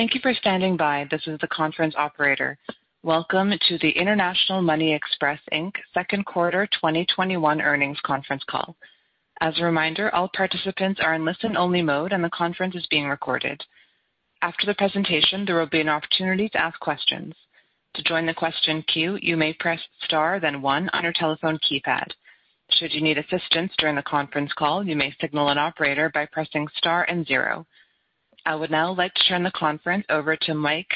Thank you for standing by. This is the conference operator. Welcome to the International Money Express, Inc. second quarter 2021 earnings conference call. As a reminder, all participants are in listen-only mode, and the conference is being recorded. After the presentation, there will be an opportunity to ask questions. To join the question queue, you may press star then one on your telephone keypad. Should you need assistance during the conference call, you may signal an operator by pressing star and zero. I would now like to turn the conference over to Mike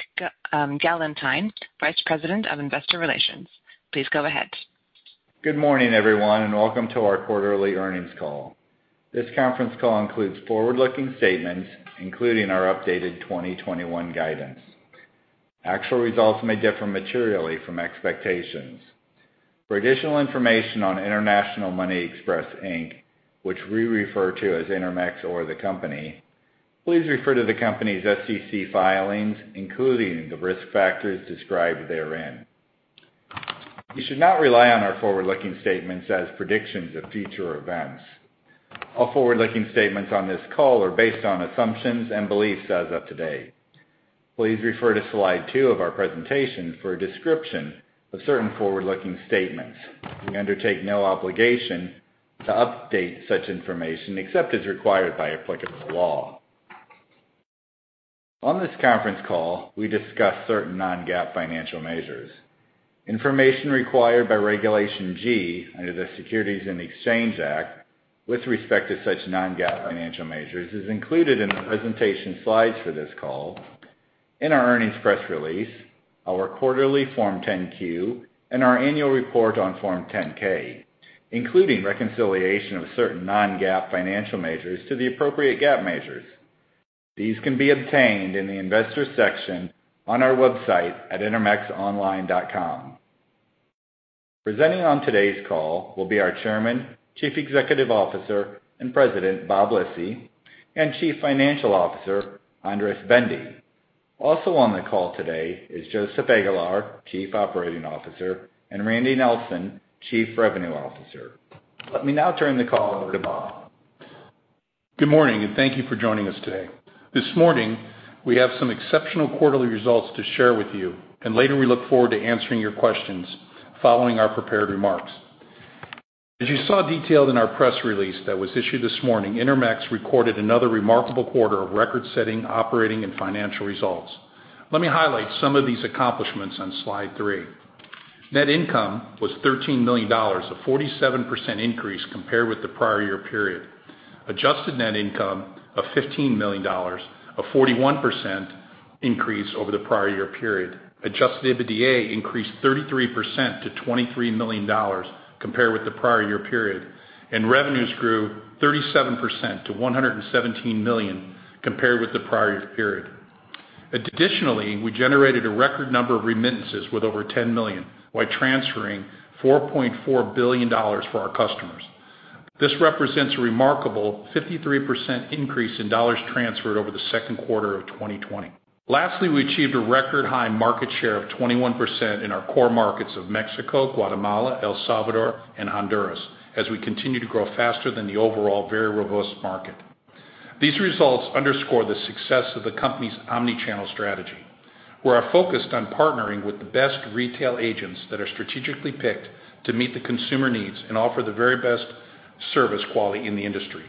Gallentine, Vice President of Investor Relations. Please go ahead. Good morning, everyone, and welcome to our quarterly earnings call. This conference call includes forward-looking statements, including our updated 2021 guidance. Actual results may differ materially from expectations. For additional information on International Money Express, Inc., which we refer to as Intermex or the company, please refer to the company's SEC filings, including the risk factors described therein. You should not rely on our forward-looking statements as predictions of future events. All forward-looking statements on this call are based on assumptions and beliefs as of today. Please refer to slide two of our presentation for a description of certain forward-looking statements. We undertake no obligation to update such information except as required by applicable law. On this conference call, we discuss certain non-GAAP financial measures. Information required by Regulation G under the Securities and Exchange Act with respect to such non-GAAP financial measures is included in the presentation slides for this call, in our earnings press release, our quarterly Form 10-Q, and our annual report on Form 10-K, including reconciliation of certain non-GAAP financial measures to the appropriate GAAP measures. These can be obtained in the Investors section on our website at intermexonline.com. Presenting on today's call will be our Chairman, Chief Executive Officer and President, Bob Lisy, and Chief Financial Officer, Andras Bende. Also on the call today is Joseph Aguilar, Chief Operating Officer, and Randy Nilsen, Chief Revenue Officer. Let me now turn the call over to Bob. Good morning, and thank you for joining us today. This morning, we have some exceptional quarterly results to share with you, and later we look forward to answering your questions following our prepared remarks. As you saw detailed in our press release that was issued this morning, Intermex recorded another remarkable quarter of record-setting operating and financial results. Let me highlight some of these accomplishments on slide three. Net income was $13 million, a 47% increase compared with the prior-year period. Adjusted net income of $15 million, a 41% increase over the prior-year period. Adjusted EBITDA increased 33% to $23 million compared with the prior-year period. Revenues grew 37% to $117 million compared with the prior-year period. Additionally, we generated a record number of remittances with over 10 million while transferring $4.4 billion for our customers. This represents a remarkable 53% increase in dollars transferred over the second quarter of 2020. Lastly, we achieved a record-high market share of 21% in our core markets of Mexico, Guatemala, El Salvador, and Honduras as we continue to grow faster than the overall very robust market. These results underscore the success of the company's omni-channel strategy, where we're focused on partnering with the best retail agents that are strategically picked to meet the consumer needs and offer the very best service quality in the industry.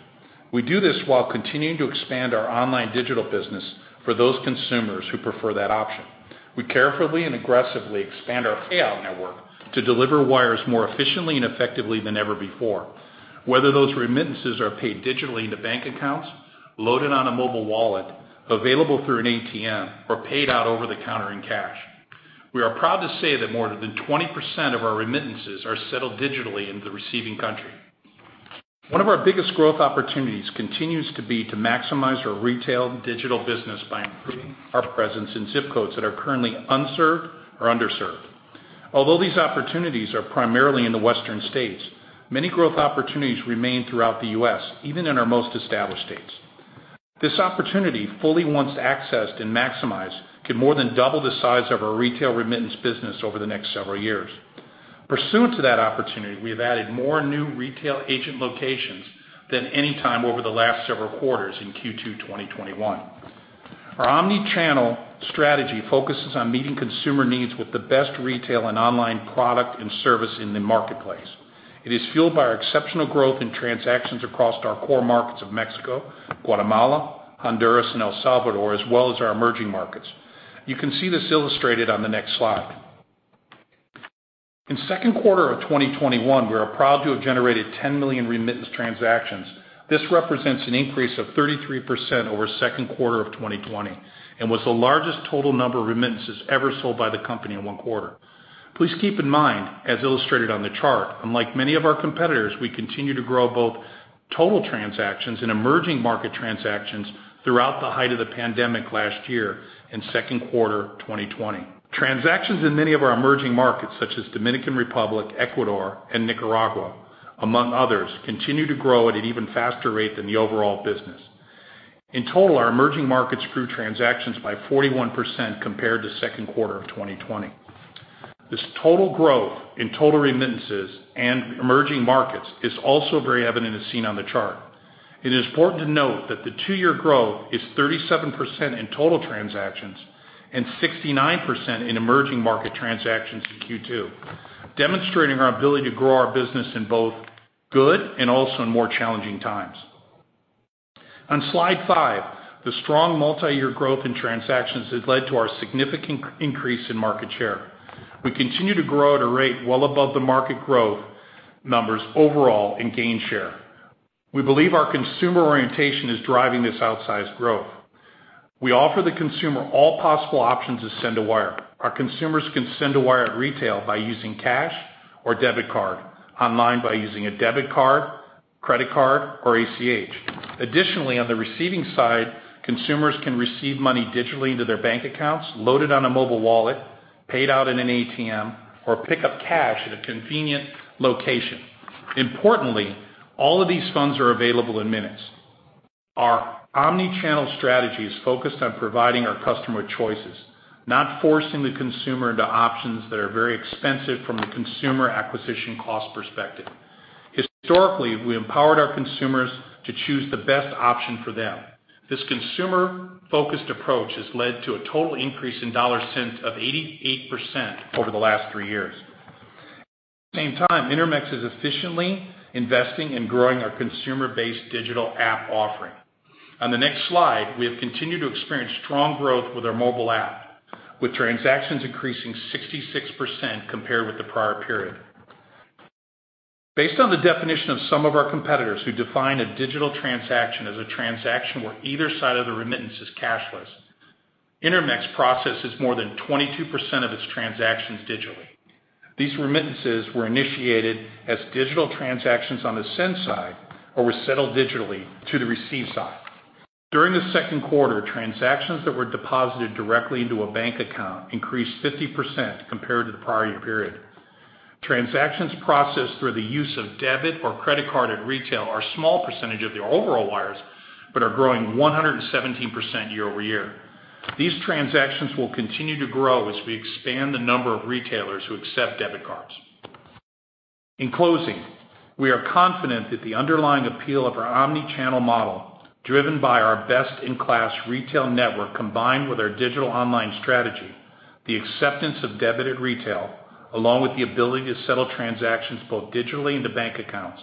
We do this while continuing to expand our online digital business for those consumers who prefer that option. We carefully and aggressively expand our payout network to deliver wires more efficiently and effectively than ever before, whether those remittances are paid digitally into bank accounts, loaded on a mobile wallet, available through an ATM, or paid out over the counter in cash. We are proud to say that more than 20% of our remittances are settled digitally in the receiving country. One of our biggest growth opportunities continues to be to maximize our retail digital business by improving our presence in zip codes that are currently unserved or underserved. These opportunities are primarily in the western states, many growth opportunities remain throughout the U.S., even in our most established states. This opportunity, fully once accessed and maximized, could more than double the size of our retail remittance business over the next several years. Pursuant to that opportunity, we have added more new retail agent locations than any time over the last several quarters in Q2 2021. Our omni-channel strategy focuses on meeting consumer needs with the best retail and online product and service in the marketplace. It is fueled by our exceptional growth in transactions across our core markets of Mexico, Guatemala, Honduras, and El Salvador, as well as our emerging markets. You can see this illustrated on the next slide. In second quarter of 2021, we are proud to have generated 10 million remittance transactions. This represents an increase of 33% over second quarter of 2020 and was the largest total number of remittances ever sold by the company in one quarter. Please keep in mind, as illustrated on the chart, unlike many of our competitors, we continue to grow both total transactions and emerging market transactions throughout the height of the pandemic last year in second quarter 2020. Transactions in many of our emerging markets, such as Dominican Republic, Ecuador, and Nicaragua, among others, continue to grow at an even faster rate than the overall business. In total, our emerging markets grew transactions by 41% compared to second quarter of 2020. This total growth in total remittances and emerging markets is also very evident as seen on the chart. It is important to note that the two-year growth is 37% in total transactions and 69% in emerging market transactions in Q2, demonstrating our ability to grow our business in both good and also in more challenging times. On slide five, the strong multi-year growth in transactions has led to our significant increase in market share. We continue to grow at a rate well above the market growth numbers overall in gain share. We believe our consumer orientation is driving this outsized growth. We offer the consumer all possible options to send a wire. Our consumers can send a wire at retail by using cash or debit card, online by using a debit card, credit card, or ACH. Additionally, on the receiving side, consumers can receive money digitally into their bank accounts, load it on a mobile wallet, paid out in an ATM, or pick up cash at a convenient location. Importantly, all of these funds are available in minutes. Our omni-channel strategy is focused on providing our customer choices, not forcing the consumer into options that are very expensive from a consumer acquisition cost perspective. Historically, we empowered our consumers to choose the best option for them. This consumer-focused approach has led to a total increase in dollar sent of 88% over the last three years. At the same time, Intermex is efficiently investing in growing our consumer-based digital app offering. On the next slide, we have continued to experience strong growth with our mobile app, with transactions increasing 66% compared with the prior period. Based on the definition of some of our competitors who define a digital transaction as a transaction where either side of the remittance is cashless, Intermex processes more than 22% of its transactions digitally. These remittances were initiated as digital transactions on the send side or were settled digitally to the receive side. During the second quarter, transactions that were deposited directly into a bank account increased 50% compared to the prior year period. Transactions processed through the use of debit or credit card at retail are small percentage of the overall wires but are growing 117% year-over-year. These transactions will continue to grow as we expand the number of retailers who accept debit cards. In closing, we are confident that the underlying appeal of our omni-channel model, driven by our best-in-class retail network combined with our digital online strategy, the acceptance of debit at retail, along with the ability to settle transactions both digitally into bank accounts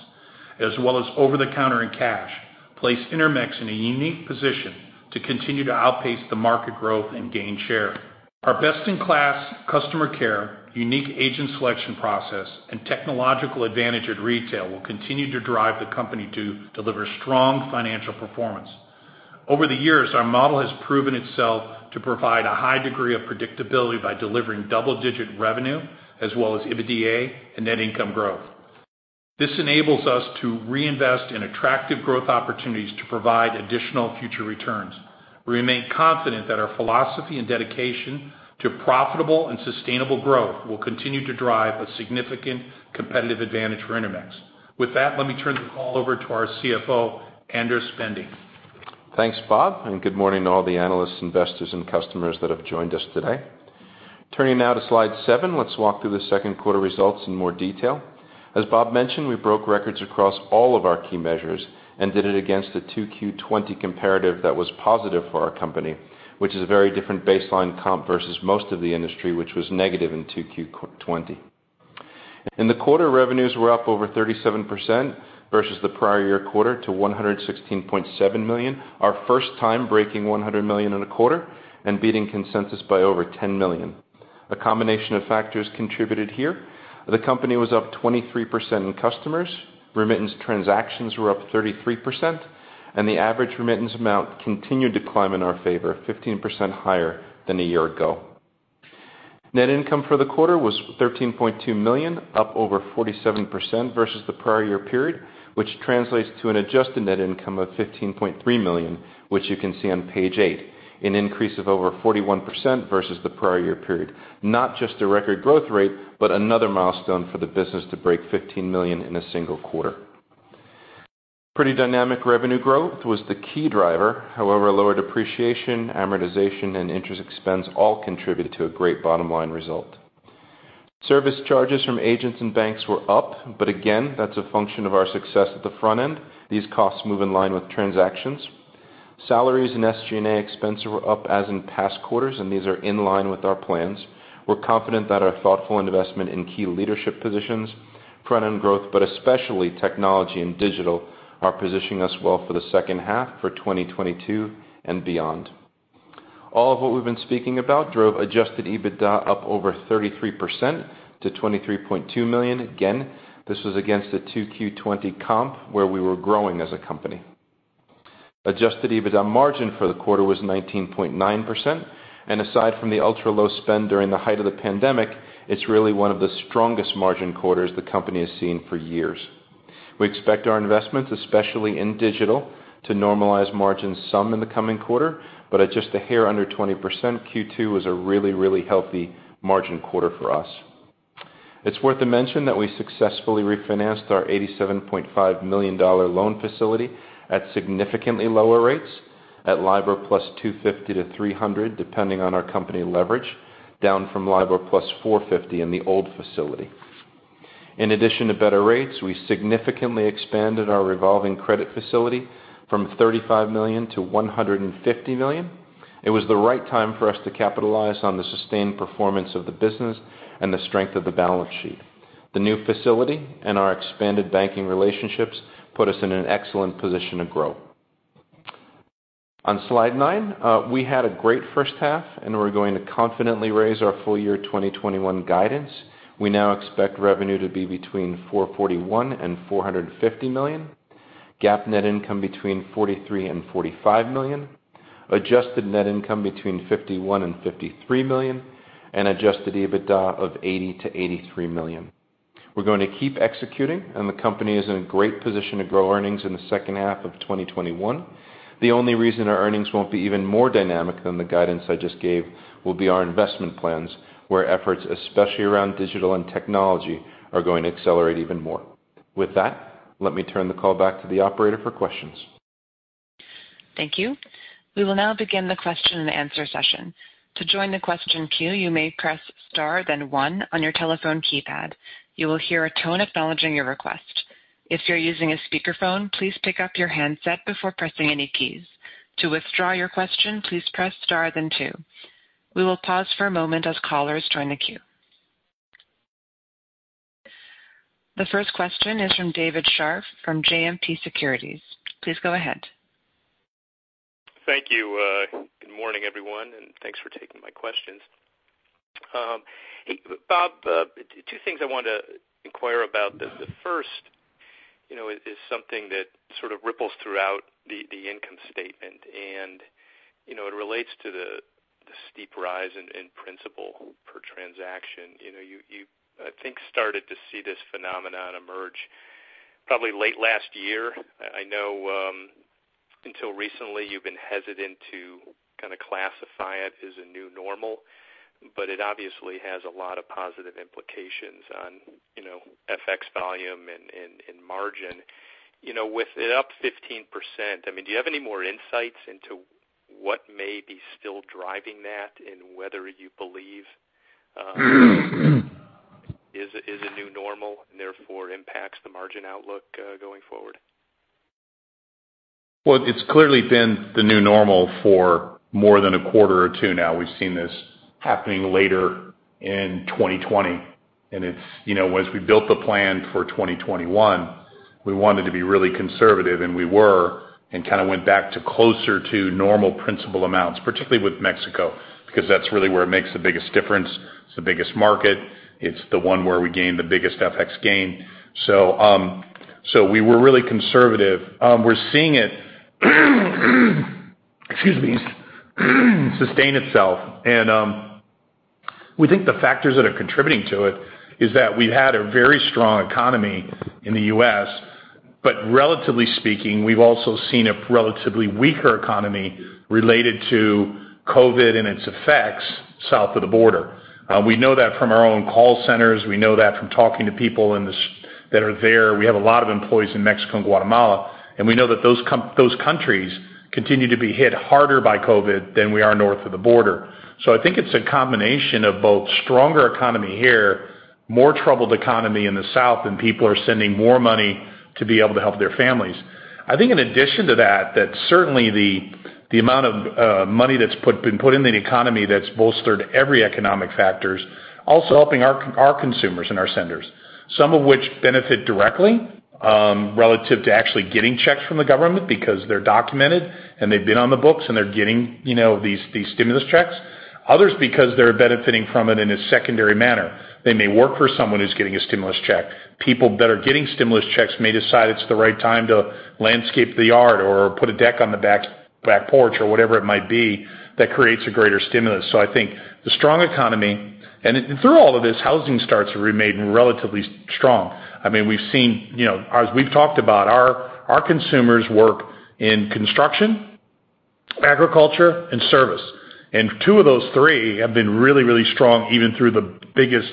as well as over the counter in cash, place Intermex in a unique position to continue to outpace the market growth and gain share. Our best-in-class customer care, unique agent selection process, and technological advantage at retail will continue to drive the company to deliver strong financial performance. Over the years, our model has proven itself to provide a high degree of predictability by delivering double-digit revenue as well as EBITDA and net income growth. This enables us to reinvest in attractive growth opportunities to provide additional future returns. We remain confident that our philosophy and dedication to profitable and sustainable growth will continue to drive a significant competitive advantage for Intermex. With that, let me turn the call over to our CFO, Andras Bende. Thanks, Bob. Good morning to all the analysts, investors, and customers that have joined us today. Turning now to slide seven, let's walk through the second quarter results in more detail. As Bob mentioned, we broke records across all of our key measures and did it against a 2Q 2020 comparative that was positive for our company, which is a very different baseline comp versus most of the industry, which was negative in 2Q 2020. In the quarter, revenues were up over 37% versus the prior year quarter to $116.7 million, our first time breaking $100 million in a quarter and beating consensus by over $10 million. A combination of factors contributed here. The company was up 23% in customers. Remittance transactions were up 33%, and the average remittance amount continued to climb in our favor, 15% higher than a year ago. Net income for the quarter was $13.2 million, up over 47% versus the prior year period, which translates to an adjusted net income of $15.3 million, which you can see on page eight, an increase of over 41% versus the prior year period. Not just a record growth rate, but another milestone for the business to break $15 million in a single quarter. Pretty dynamic revenue growth was the key driver. Lower depreciation, amortization, and interest expense all contributed to a great bottom-line result. Service charges from agents and banks were up, but again, that's a function of our success at the front end. These costs move in line with transactions. Salaries and SG&A expenses were up as in past quarters, and these are in line with our plans. We're confident that our thoughtful investment in key leadership positions, front-end growth, but especially technology and digital, are positioning us well for the second half for 2022 and beyond. All of what we've been speaking about drove adjusted EBITDA up over 33% to $23.2 million. Again, this was against a 2Q 2020 comp where we were growing as a company. Adjusted EBITDA margin for the quarter was 19.9%, and aside from the ultra-low spend during the height of the pandemic, it's really one of the strongest margin quarters the company has seen for years. We expect our investments, especially in digital, to normalize margins some in the coming quarter, at just a hair under 20%, Q2 was a really healthy margin quarter for us. It's worth a mention that we successfully refinanced our $87.5 million loan facility at significantly lower rates at LIBOR plus 250-300, depending on our company leverage, down from LIBOR plus 450 in the old facility. In addition to better rates, we significantly expanded our revolving credit facility from $35 million to $150 million. It was the right time for us to capitalize on the sustained performance of the business and the strength of the balance sheet. The new facility and our expanded banking relationships put us in an excellent position to grow. On slide nine, we had a great first half, we're going to confidently raise our full-year 2021 guidance. We now expect revenue to be between $441 million and $450 million, GAAP net income between $43 million and $45 million, adjusted net income between $51 million and $53 million, and adjusted EBITDA of $80 million-$83 million. We're going to keep executing, and the company is in a great position to grow earnings in the second half of 2021. The only reason our earnings won't be even more dynamic than the guidance I just gave will be our investment plans, where efforts, especially around digital and technology, are going to accelerate even more. With that, let me turn the call back to the operator for questions. Thank you. We will now begin the question and answer session. The first question is from David Scharf from JMP Securities. Please go ahead. Thank you. Good morning, everyone, and thanks for taking my questions. Bob, two things I wanted to inquire about. The first is something that sort of ripples throughout the income statement, and it relates to the steep rise in principal per transaction. You, I think, started to see this phenomenon emerge probably late last year. I know until recently, you've been hesitant to kind of classify it as a new normal, but it obviously has a lot of positive implications on FX volume and margin. With it up 15%, do you have any more insights into what may be still driving that and whether you believe is it new normal and therefore impacts the margin outlook going forward? It's clearly been the new normal for more than a quarter or two now. We've seen this happening later in 2020, and as we built the plan for 2021, we wanted to be really conservative, and we were, and kind of went back to closer to normal principal amounts, particularly with Mexico, because that's really where it makes the biggest difference. It's the biggest market. It's the one where we gain the biggest FX gain. We were really conservative. We're seeing it excuse me, sustain itself, and we think the factors that are contributing to it is that we've had a very strong economy in the U.S., but relatively speaking, we've also seen a relatively weaker economy related to COVID and its effects south of the border. We know that from our own call centers. We know that from talking to people that are there. We have a lot of employees in Mexico and Guatemala. We know that those countries continue to be hit harder by COVID than we are north of the border. I think it's a combination of both stronger economy here, more troubled economy in the south, and people are sending more money to be able to help their families. I think in addition to that, certainly the amount of money that's been put in the economy that's bolstered every economic factors, also helping our consumers and our senders. Some of which benefit directly relative to actually getting checks from the government because they're documented and they've been on the books and they're getting these stimulus checks. Others because they're benefiting from it in a secondary manner. They may work for someone who's getting a stimulus check. People that are getting stimulus checks may decide it's the right time to landscape the yard or put a deck on the back porch or whatever it might be that creates a greater stimulus. I think the strong economy, and through all of this, housing starts have remained relatively strong. As we've talked about, our consumers work in construction, agriculture, and service. Two of those three have been really, really strong even through the biggest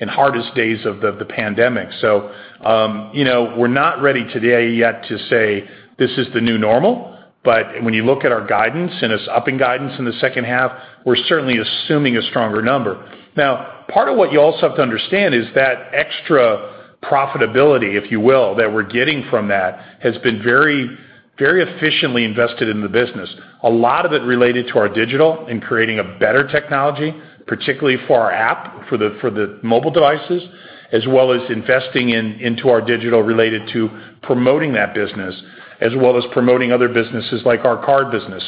and hardest days of the pandemic. We're not ready today yet to say this is the new normal. When you look at our guidance and us upping guidance in the second half, we're certainly assuming a stronger number. Now, part of what you also have to understand is that extra profitability, if you will, that we're getting from that has been very efficiently invested in the business. A lot of it related to our digital in creating a better technology, particularly for our app for the mobile devices, as well as investing into our digital related to promoting that business, as well as promoting other businesses like our card business.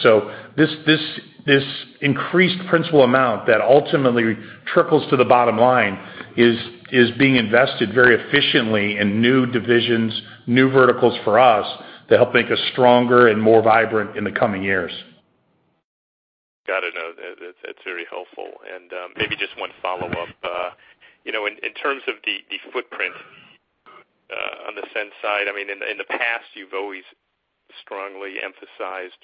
This increased principal amount that ultimately trickles to the bottom line is being invested very efficiently in new divisions, new verticals for us to help make us stronger and more vibrant in the coming years. Got it. No, that's very helpful. Maybe just one follow-up. In terms of the footprint, the send side. In the past, you've always strongly emphasized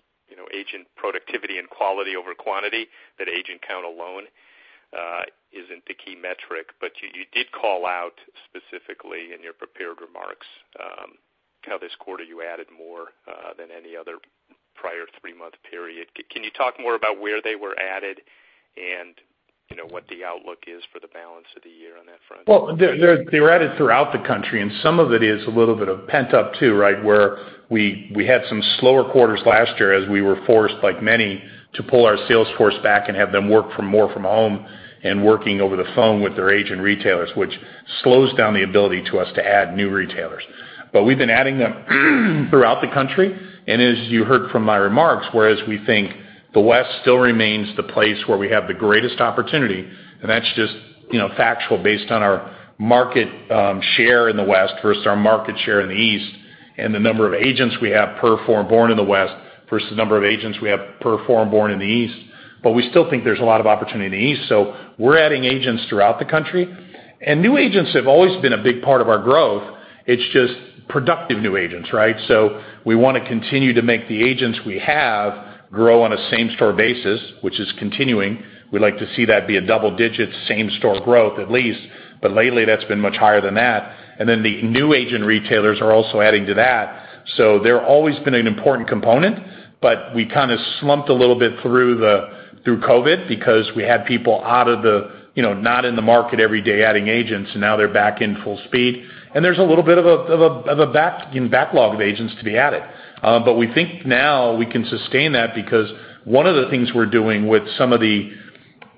agent productivity and quality over quantity, that agent count alone isn't the key metric. You did call out specifically in your prepared remarks how this quarter you added more than any other prior three-month period. Can you talk more about where they were added and what the outlook is for the balance of the year on that front? Well, they were added throughout the country, and some of it is a little bit of pent-up, too, where we had some slower quarters last year as we were forced, like many, to pull our sales force back and have them work more from home and working over the phone with their agent retailers, which slows down the ability to us to add new retailers. We've been adding them throughout the country. As you heard from my remarks, whereas we think the West still remains the place where we have the greatest opportunity, and that's just factual based on our market share in the West versus our market share in the East, and the number of agents we have per foreign-born in the West versus the number of agents we have per foreign-born in the East. We still think there's a lot of opportunity in the East. We're adding agents throughout the country. New agents have always been a big part of our growth. It's just productive new agents. We want to continue to make the agents we have grow on a same-store basis, which is continuing. We'd like to see that be a double-digit same-store growth at least. Lately, that's been much higher than that. The new agent retailers are also adding to that. They've always been an important component, but we kind of slumped a little bit through COVID because we had people not in the market every day adding agents, and now they're back in full speed. There's a little bit of a backlog of agents to be added. We think now we can sustain that because one of the things we're doing with some of the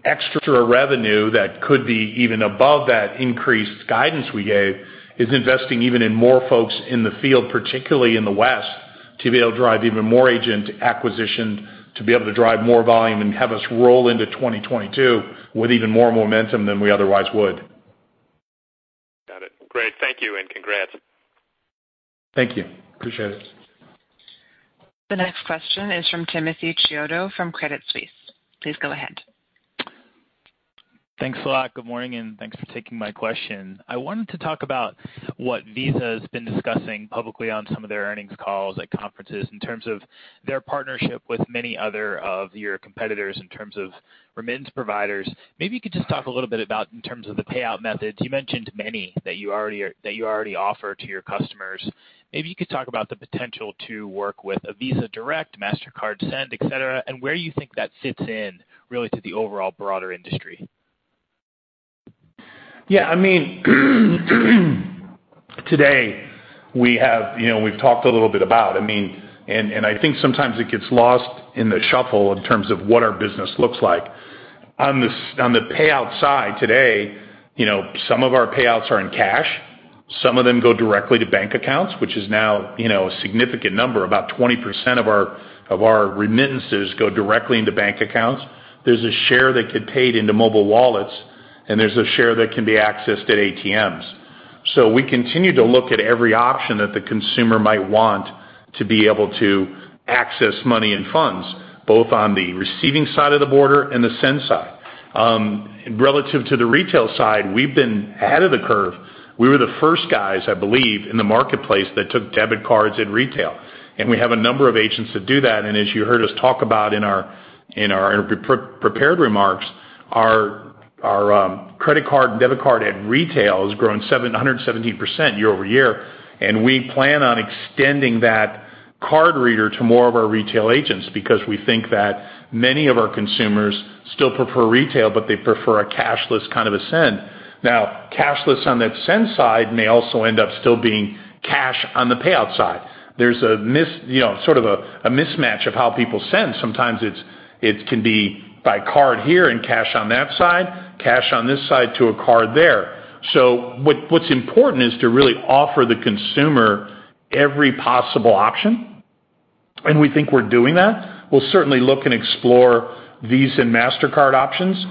extra revenue that could be even above that increased guidance we gave is investing even in more folks in the field, particularly in the West, to be able to drive even more agent acquisition, to be able to drive more volume and have us roll into 2022 with even more momentum than we otherwise would. Got it. Great. Thank you, and congrats. Thank you. Appreciate it. The next question is from Timothy Chiodo from Credit Suisse. Please go ahead. Thanks a lot. Good morning, thanks for taking my question. I wanted to talk about what Visa has been discussing publicly on some of their earnings calls at conferences in terms of their partnership with many other of your competitors in terms of remittance providers. Maybe you could just talk a little bit about in terms of the payout methods. You mentioned many that you already offer to your customers. Maybe you could talk about the potential to work with a Visa Direct, Mastercard Send, et cetera, and where you think that fits in really to the overall broader industry. Today, we've talked a little bit about. I think sometimes it gets lost in the shuffle in terms of what our business looks like. On the payout side today, some of our payouts are in cash. Some of them go directly to bank accounts, which is now a significant number. About 20% of our remittances go directly into bank accounts. There's a share that get paid into mobile wallets, and there's a share that can be accessed at ATMs. We continue to look at every option that the consumer might want to be able to access money and funds, both on the receiving side of the border and the send side. Relative to the retail side, we've been ahead of the curve. We were the first guys, I believe, in the marketplace that took debit cards in retail, and we have a number of agents that do that. As you heard us talk about in our prepared remarks, our credit card and debit card at retail has grown 117% year-over-year. We plan on extending that card reader to more of our retail agents because we think that many of our consumers still prefer retail, but they prefer a cashless kind of a send. Now, cashless on that send side may also end up still being cash on the payout side. There's a sort of a mismatch of how people send. Sometimes it can be by card here and cash on that side, cash on this side to a card there. What's important is to really offer the consumer every possible option, and we think we're doing that. We'll certainly look and explore Visa and Mastercard options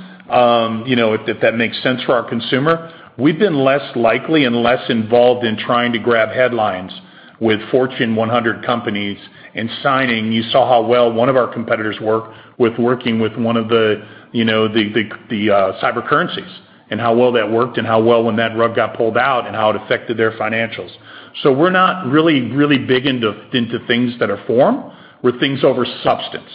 if that makes sense for our consumer. We've been less likely and less involved in trying to grab headlines with Fortune 100 companies and signing. You saw how well one of our competitors worked with working with one of the cryptocurrencies and how well that worked and how well when that rug got pulled out and how it affected their financials. We're not really big into things that are form. We're things over substance,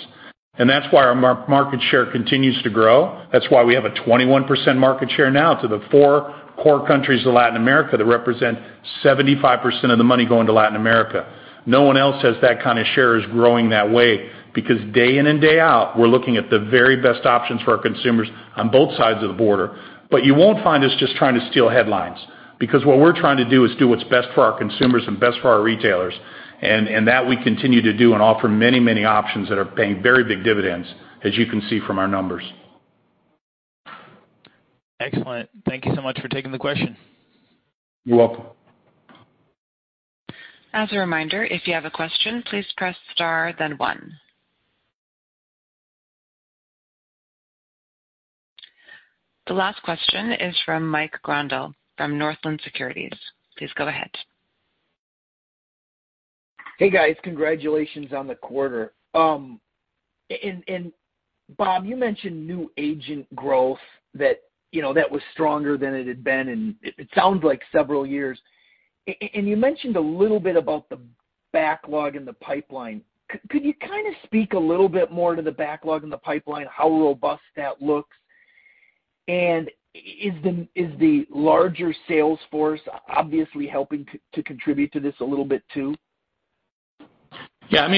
and that's why our market share continues to grow. That's why we have a 21% market share now to the four core countries of Latin America that represent 75% of the money going to Latin America. No one else has that kind of share growing that way because day in and day out, we're looking at the very best options for our consumers on both sides of the border. You won't find us just trying to steal headlines because what we're trying to do is do what's best for our consumers and best for our retailers. That we continue to do and offer many options that are paying very big dividends, as you can see from our numbers. Excellent. Thank you so much for taking the question. You're welcome. As a reminder, if you have a question, please press star then one. The last question is from Mike Grondahl from Northland Securities. Please go ahead. Hey guys, congratulations on the quarter. Bob, you mentioned new agent growth that was stronger than it had been in, it sounds like several years. You mentioned a little bit about the backlog in the pipeline. Could you speak a little bit more to the backlog in the pipeline, how robust that looks? Is the larger sales force obviously helping to contribute to this a little bit too? Yeah, I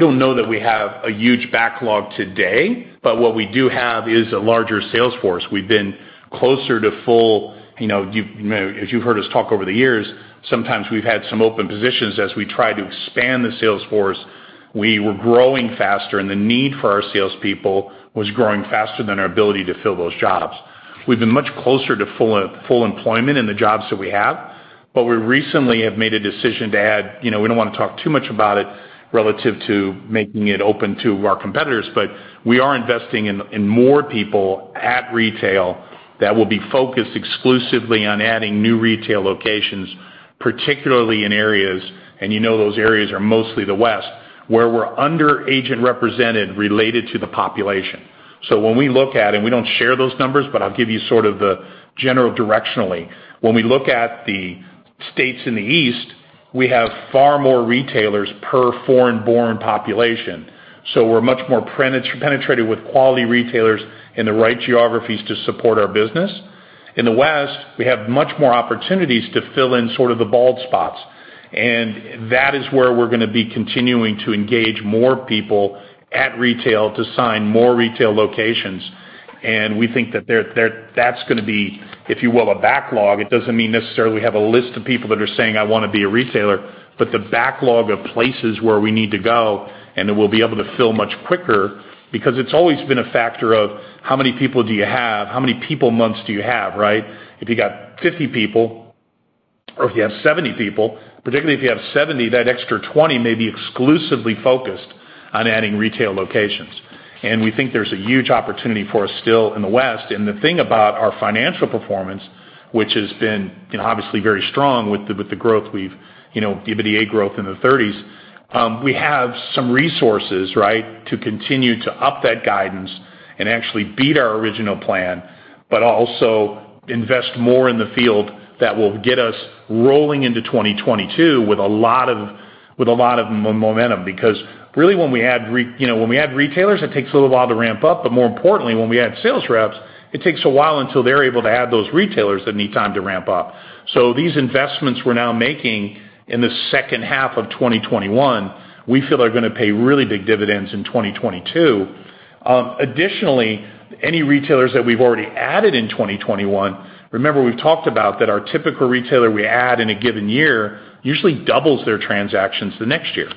don't know that we have a huge backlog today, but what we do have is a larger sales force. We've been closer to full, as you've heard us talk over the years, sometimes we've had some open positions as we try to expand the sales force. We were growing faster, and the need for our salespeople was growing faster than our ability to fill those jobs. We've been much closer to full employment in the jobs that we have, but we recently have made a decision to add, we don't want to talk too much about it relative to making it open to our competitors, but we are investing in more people at retail that will be focused exclusively on adding new retail locations, particularly in areas, and you know those areas are mostly the West, where we're under agent represented related to the population. When we look at it, and we don't share those numbers, but I'll give you sort of the general directionally. When we look at the states in the East, we have far more retailers per foreign-born population. We're much more penetrated with quality retailers in the right geographies to support our business. In the West, we have much more opportunities to fill in sort of the bald spots. That is where we're going to be continuing to engage more people at retail to sign more retail locations. We think that's going to be, if you will, a backlog. It doesn't mean necessarily we have a list of people that are saying, "I want to be a retailer," but the backlog of places where we need to go, and then we'll be able to fill much quicker because it's always been a factor of how many people do you have? How many people months do you have, right? If you got 50 people or if you have 70 people, particularly if you have 70, that extra 20 may be exclusively focused on adding retail locations. We think there's a huge opportunity for us still in the West. The thing about our financial performance, which has been obviously very strong with the EBITDA growth in the 30s, we have some resources, right, to continue to up that guidance and actually beat our original plan, but also invest more in the field that will get us rolling into 2022 with a lot of momentum. Really when we add retailers, it takes a little while to ramp up. More importantly, when we add sales reps, it takes a while until they're able to add those retailers that need time to ramp up. These investments we're now making in the second half of 2021, we feel are going to pay really big dividends in 2022. Additionally, any retailers that we've already added in 2021, remember we've talked about that our typical retailer we add in a given year usually doubles their transactions the next year.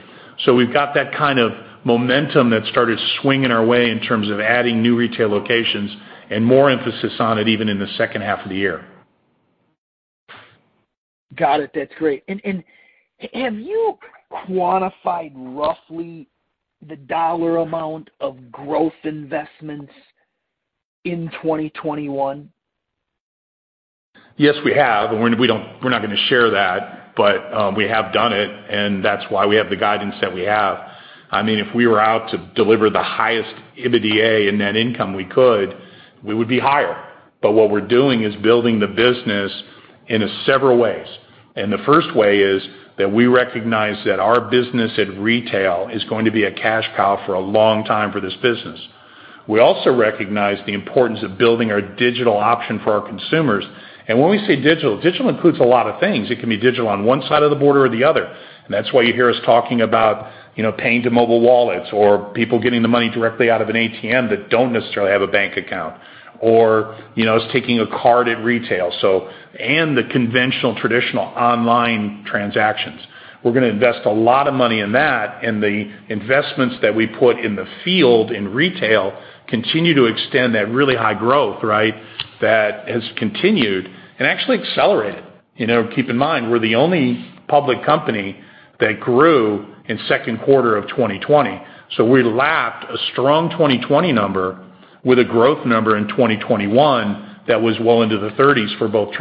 We've got that kind of momentum that started swinging our way in terms of adding new retail locations and more emphasis on it even in the second half of the year. Got it. That's great. Have you quantified roughly the dollar amount of growth investments in 2021? Yes, we have, and we're not going to share that, but we have done it, and that's why we have the guidance that we have. If we were out to deliver the highest EBITDA and net income we could, we would be higher. What we're doing is building the business in several ways. The first way is that we recognize that our business at retail is going to be a cash cow for a long time for this business. We also recognize the importance of building our digital option for our consumers. When we say digital includes a lot of things. It can be digital on one side of the border or the other. That's why you hear us talking about paying to mobile wallets or people getting the money directly out of an ATM that don't necessarily have a bank account, or us taking a card at retail, and the conventional traditional online transactions. We're going to invest a lot of money in that, and the investments that we put in the field in retail continue to extend that really high growth, right, that has continued and actually accelerated. Keep in mind, we're the only public company that grew in second quarter of 2020. We lapped a strong 2020 number with a growth number in 2021 that was well into the 30s for both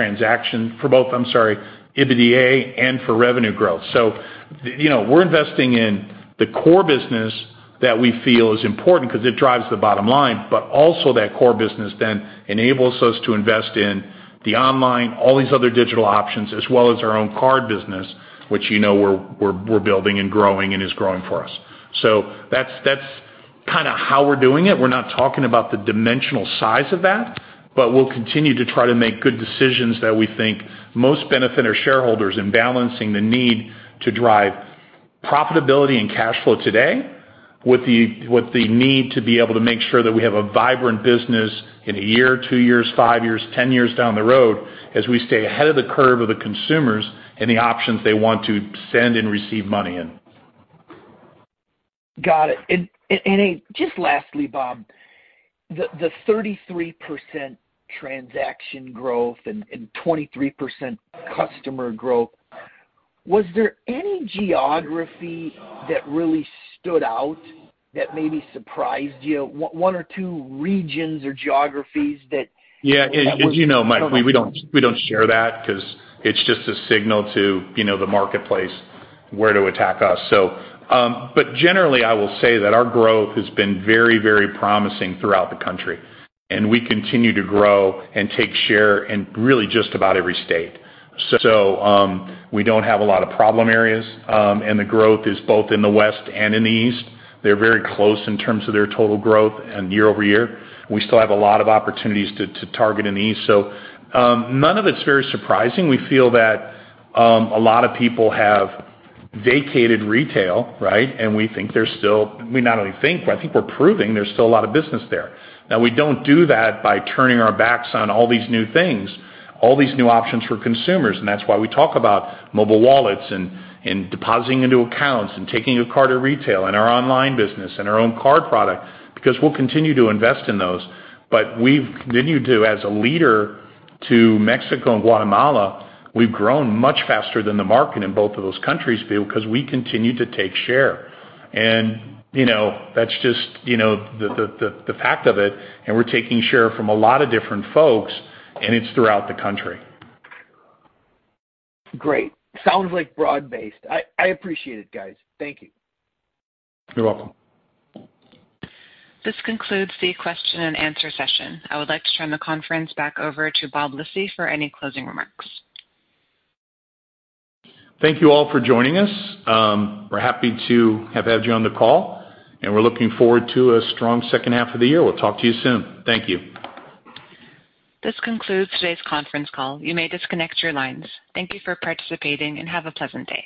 EBITDA and for revenue growth. We're investing in the core business that we feel is important because it drives the bottom line, but also that core business then enables us to invest in the online, all these other digital options, as well as our own card business, which you know we're building and growing and is growing for us. That's kind of how we're doing it. We're not talking about the dimensional size of that, but we'll continue to try to make good decisions that we think most benefit our shareholders in balancing the need to drive profitability and cash flow today with the need to be able to make sure that we have a vibrant business in a year, two years, five years, 10 years down the road, as we stay ahead of the curve of the consumers and the options they want to send and receive money in. Got it. Just lastly, Bob, the 33% transaction growth and 23% customer growth, was there any geography that really stood out that maybe surprised you? As you know, Mike, we don't share that because it's just a signal to the marketplace where to attack us. Generally, I will say that our growth has been very promising throughout the country, and we continue to grow and take share in really just about every state. We don't have a lot of problem areas, and the growth is both in the West and in the East. They're very close in terms of their total growth and year-over-year. We still have a lot of opportunities to target in the East. None of it's very surprising. We feel that a lot of people have vacated retail, right? We not only think, but I think we're proving there's still a lot of business there. We don't do that by turning our backs on all these new things, all these new options for consumers, and that's why we talk about mobile wallets and depositing into accounts and taking a card at retail and our online business and our own card product, because we'll continue to invest in those. We've continued to, as a leader to Mexico and Guatemala, we've grown much faster than the market in both of those countries, because we continue to take share. That's just the fact of it, and we're taking share from a lot of different folks, and it's throughout the country. Great. Sounds like broad-based. I appreciate it, guys. Thank you. You're welcome. This concludes the question and answer session. I would like to turn the conference back over to Bob Lisy for any closing remarks. Thank you all for joining us. We're happy to have had you on the call, and we're looking forward to a strong second half of the year. We'll talk to you soon. Thank you. This concludes today's conference call. You may disconnect your lines. Thank you for participating, and have a pleasant day.